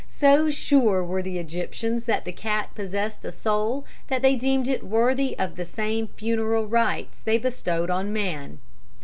So sure were the Egyptians that the cat possessed a soul that they deemed it worthy of the same funeral rites they bestowed on man.